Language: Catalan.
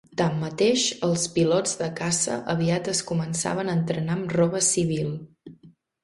Tanmateix, els pilots de caça aviat es començaven a entrenar amb roba civil.